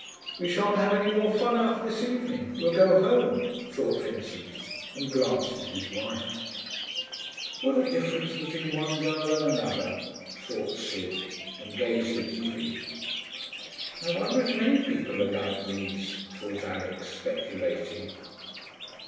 'We shan't have any more fun out of this evening; we'll go home,' thought Vincent, and glanced at his wife. 'What a difference between one girl and another,' thought Sid, and gazed at Evie. 'I wonder if many people are like these,' thought Alix, speculating.